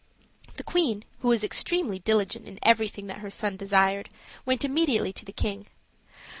The queen, who was extremely diligent in everything that her son desired, went immediately to the king.